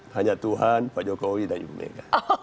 hanya tuhan pak jokowi dan ibu mega